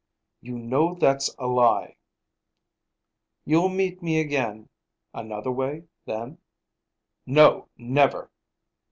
"You know that's a lie." "You'll meet me again, another way, then?" "No, never!"